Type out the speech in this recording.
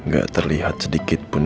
gak terlihat sedikit pun